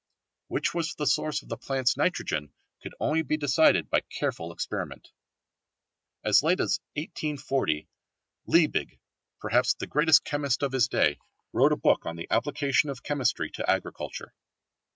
Which was the source of the plants' nitrogen could be decided only by careful experiment. As late as 1840 Liebig, perhaps the greatest chemist of his day, wrote a book on the application of chemistry to agriculture.